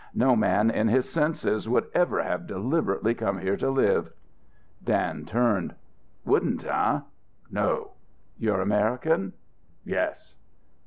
"No man in his senses would ever have deliberately come here to live." Dan turned. "Wouldn't, eh?" "No." "You're American?" "Yes."